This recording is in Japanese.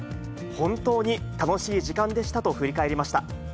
本当に楽しい時間でしたと振り返りました。